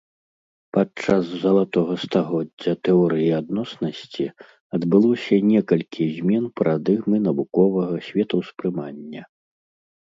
Падчас залатога стагоддзя тэорыі адноснасці адбылося некалькі змен парадыгмы навуковага светаўспрымання.